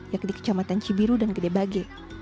yakni kecamatan cibiru dan gede bage